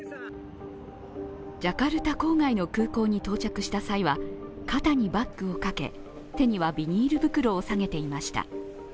ジャカルタ郊外の空港に到着した際は肩にバッグをかけ、手にはビニール袋を提げていました。